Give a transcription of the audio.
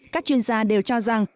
các chuyên gia đều cho rằng